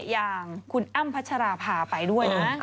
อย่างคุณอ้ำพัชราภาไปด้วยนะ